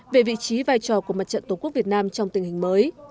về vị trí vai trò của mặt trận tổ quốc việt nam trong tình hình mới